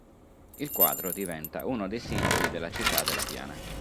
Il quadro diventa uno dei simboli della città della piana.